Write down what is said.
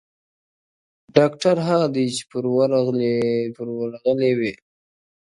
o ډاکټر هغه دئ چي پر ورغلي وي!